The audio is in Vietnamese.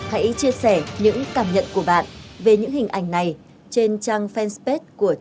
hãy chia sẻ những cảm nhận của bạn về những hình ảnh này trên trang fanpage của truyền hình công an nhân dân